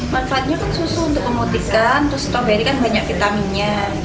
manfaatnya kan susu untuk memutihkan terus strawberry kan banyak vitaminnya